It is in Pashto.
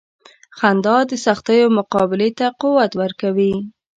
• خندا د سختیو مقابلې ته قوت ورکوي.